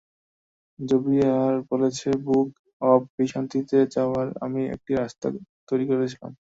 Xavier বলেছে, book of ভিশান্তিতে যাওয়ার আমি একটা রাস্তা তৈরি করেছিলাম।